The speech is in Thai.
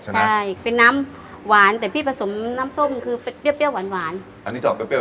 ใช่เป็นน้ำหวานแต่พี่ผสมน้ำส้มคือเปรี้ยวหวานอันนี้ถอดเปรี้ยว